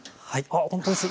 ほんとです。